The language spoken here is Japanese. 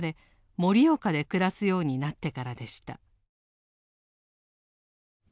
盛岡で暮らすようになってからでした。